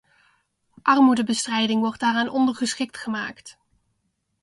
Armoedebestrijding wordt daaraan ondergeschikt gemaakt.